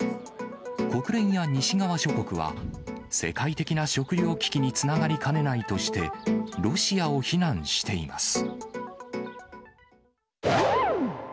国連や西側諸国は、世界的な食糧危機につながりかねないとして、ロシアを非難しています。